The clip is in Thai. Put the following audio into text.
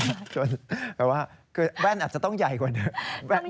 แต่ว่าคือแว่นอาจจะต้องใหญ่กว่าเดิม